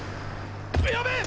やべえっ！